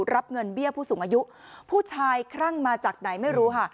รับเงินเบี้ยผู้สูงอายุผู้ชายคลั่งมาจากไหนไม่รู้ค่ะ